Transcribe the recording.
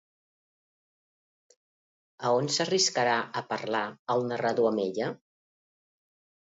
A on s'arriscarà a parlar el narrador amb ella?